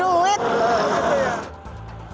ya orangnya kan cap duit